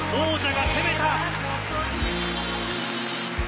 王者が攻めた。